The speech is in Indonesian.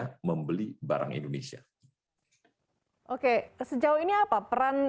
saya mengatakan tentang produk produk indonesia adalah posedongan yang sangat yang penting dalam perdagangan produktiven indonesia